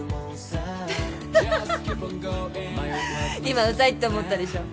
今ウザいって思ったでしょ？